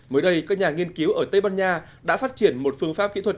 mới đây các nhà nghiên cứu ở tây ban nha đã phát triển một phương pháp kỹ thuật